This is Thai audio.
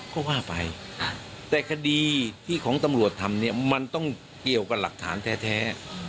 ก็ว่าไปแต่คดีที่ของตำรวจทำเนี่ยมันต้องเกี่ยวกับหลักฐานแท้